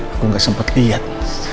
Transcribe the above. aku nggak sempat lihat